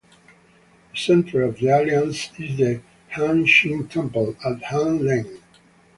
The centre of the Alliance is the Hung Shing Temple at Hung Leng.